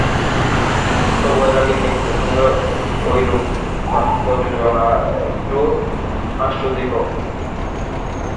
ভক্ত বৈরাগীর মৃত্যুর সঙ্গে এইরূপ বাক্যযোজনা একটু হাস্যোদ্দীপক।